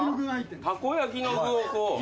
たこ焼きの具を。